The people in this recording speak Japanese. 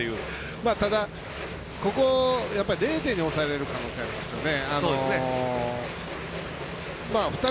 ただ、ここ、０点に抑えられる可能性ありますよね。